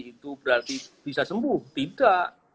itu berarti bisa sembuh tidak